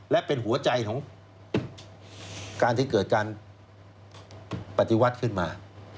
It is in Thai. และเป็นหัวใจของการที่เกิดการปฏิวัติขึ้นมา